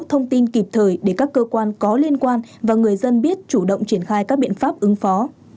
thông tin kịp thời để các cơ quan có liên quan và người dân biết chủ động triển khai các biện pháp ứng phó